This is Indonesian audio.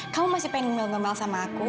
kamu masih pengen ngelomel sama aku